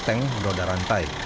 tank roda rantai